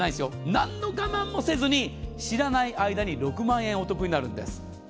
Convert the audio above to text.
なんの我慢もせずに知らない間に６万円お得になるんです。